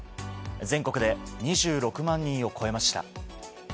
全国で２６万人を超えました。